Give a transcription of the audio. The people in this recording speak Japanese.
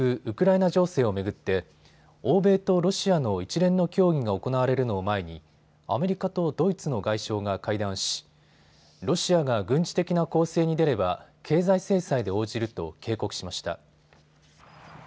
ウクライナ情勢を巡って欧米とロシアの一連の協議が行われるのを前にアメリカとドイツの外相が会談しロシアが軍事的な攻勢に出れば経済制裁で応じると警告しました。